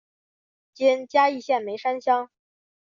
今嘉义县梅山乡。